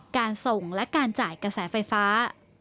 การส่งและการจ่ายกระแสไฟฟ้า